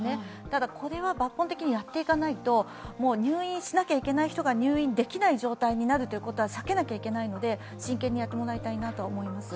ただこれは抜本的にやっていかないと、入院しないといけない方が入院できない状態になるということは避けなきゃいけないので、真剣にやってもらいたいなと思います。